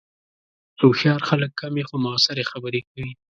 هوښیار خلک کمې، خو مؤثرې خبرې کوي